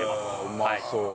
うまそう。